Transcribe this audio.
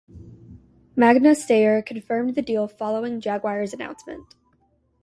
Magna Steyr confirmed the deal following Jaguar's announcement.